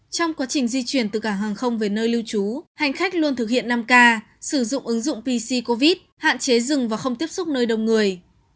trong quá trình di chuyển từ cảng hàng không về nơi lưu trú hành khách luôn thực hiện năm k sử dụng ứng dụng pc covid hạn chế dừng và không tiếp xúc nơi đông người